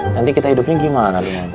nanti kita hidupnya gimana